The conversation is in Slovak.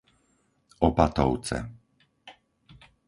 Opatovce